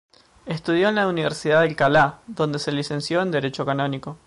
Estudió en la universidad de Alcalá, donde se licenció en derecho canónico.